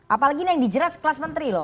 apalagi yang dijerat sekelas menteri loh